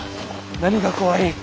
何が怖い？